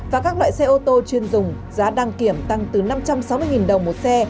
và các loại xe ô tô chuyên dùng giá đăng kiểm tăng từ năm trăm sáu mươi đồng một xe